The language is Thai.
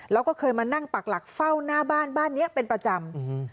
แล้วก็เคยมานั่งปักหลักเฝ้าหน้าบ้านบ้านเนี้ยเป็นประจำอืม